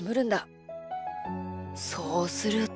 そうすると。